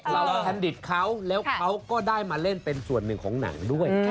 แทนดิตเขาแล้วเขาก็ได้มาเล่นเป็นส่วนหนึ่งของหนังด้วย